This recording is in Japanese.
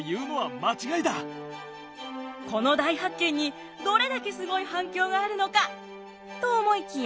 この大発見にどれだけすごい反響があるのかと思いきや。